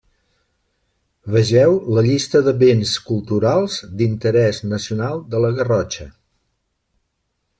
Vegeu la llista de béns culturals d'interès nacional de la Garrotxa.